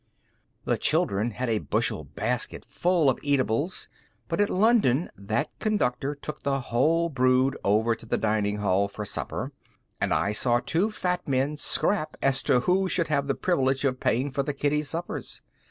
The children had a bushel basket full of eatables, but at London that Conductor took the whole brood over to the dining hall for supper, and I saw two fat men scrap as to who should have the privilege of paying for the kiddies' suppers.